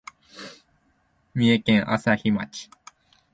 三重県朝日町